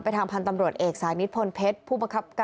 ไปทางพันธ์ตำรวจเอกสารนิทพลเพชร